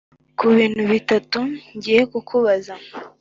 kubintu bitatu ngiye kukubaza."